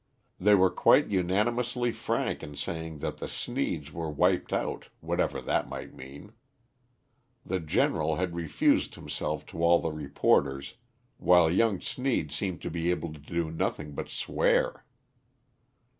They were quite unanimously frank in saying that the Sneeds were wiped out, whatever that might mean. The General had refused himself to all the reporters, while young Sneed seemed to be able to do nothing but swear.